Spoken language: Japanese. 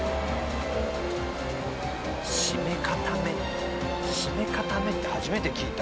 「締め固め」「締め固め」って初めて聞いた。